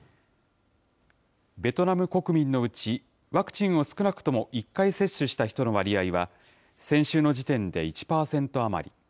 ベトナム国民のうち、ワクチンを少なくとも１回接種した人の割合は、先週の時点で１％余り。